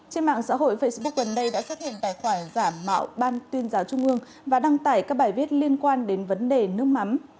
trên mạng xã hội facebook gần đây đã xuất hiện tài khoản giả mạo ban tuyên giáo trung ương và đăng tải các bài viết liên quan đến vấn đề nước mắm